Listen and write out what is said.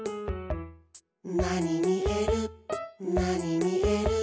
「なにみえるなにみえる」